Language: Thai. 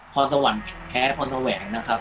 พรสวรรค์แพ้พรสวรรค์นะครับ